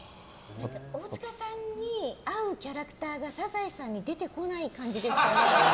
大塚さんに合うキャラクターが「サザエさん」に出てこない感じですよね。